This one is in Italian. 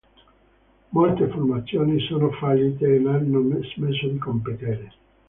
Molte formazioni sono fallite o hanno smesso di competere.